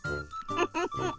フフフフ。